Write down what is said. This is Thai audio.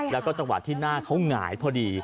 แล้วก็จังหวะที่หน้าเขาหงายพอดี